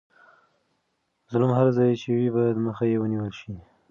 ظلم هر ځای چې وي باید مخه یې ونیول شي.